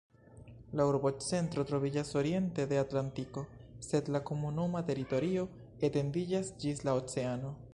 La urbocentro troviĝas oriente de Atlantiko, sed la komunuma teritorio etendiĝas ĝis la oceano.